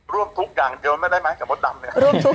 ร่วมทุกอย่างเดี๋ยวไม่ได้มั้ยจำบอกดำเลย